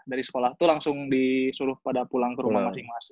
dari sekolah tuh langsung disuruh pada pulang ke rumah masih masih